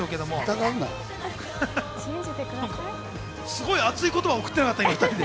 すごい熱い言葉を送ってなかった？